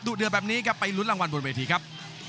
เดือดแบบนี้ครับไปลุ้นรางวัลบนเวทีครับ